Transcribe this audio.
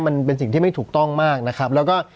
มันเป็นสิ่งที่ไม่ถูกต้องมากนะครับแล้วก็